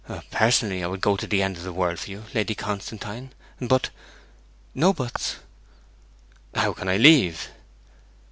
'Personally, I would go to the end of the world for you, Lady Constantine; but ' 'No buts!' 'How can I leave?'